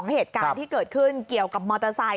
เหตุการณ์ที่เกิดขึ้นเกี่ยวกับมอเตอร์ไซค